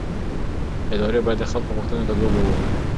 ادارې باید د خلکو غوښتنو ته ځواب ووایي